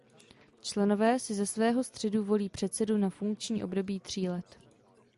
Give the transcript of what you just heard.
Členové si ze svého středu volí předsedu na funkční období tří let.